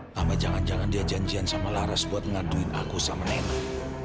sama jangan jangan dia janjian sama laras buat ngaduin aku sama nenek